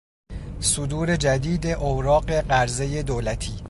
صدور جدید اوراق قرضهی دولتی